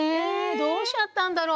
どうしちゃったんだろう？